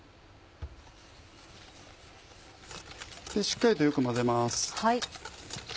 しっかりとよく混ぜます。